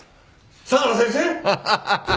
相良先生！？